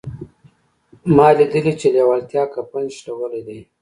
ما ليدلي چې لېوالتیا کفن شلولی دی.